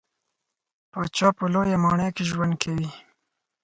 پاچا په لويه ماڼۍ کې ژوند کوي .